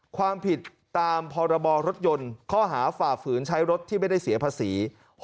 ความผิดตามพรบรถยนต์ข้อหาฝ่าฝืนใช้รถที่ไม่ได้เสียภาษี